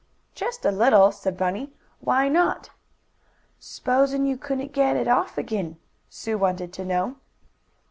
"Just a little," said Bunny. "Why not?" "S'posin' you couldn't get it off again?" Sue wanted to know.